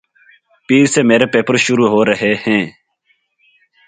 پیر سے میرے پیپر شروع ہورہے ھیںـ